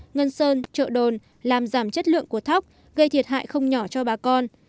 ngân sơn chợ đồn làm giảm chất lượng của thóc gây thiệt hại không nhỏ cho bà con